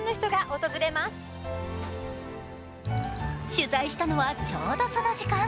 取材したのはちょうどその時間。